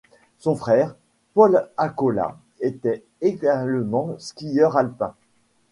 Son frère, Paul Accola, était également skieur alpin.